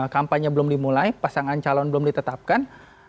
kampanye belum dimulai pasangan calon belum ditetapkan